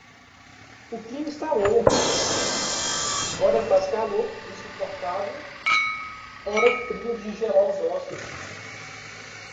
O clima está louco: ora faz calor insuportável, ora frio de gelar os ossos.